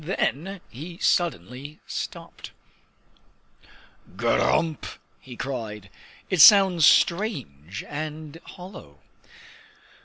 Then he suddenly stopped. "Gr r r rump!" he cried, "it sounds strange and hollow!"